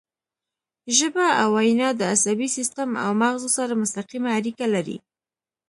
ژبه او وینا د عصبي سیستم او مغزو سره مستقیمه اړیکه لري